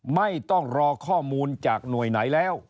ไม่ต้องรอข้อมูลจากหน่วยไหนแล้ว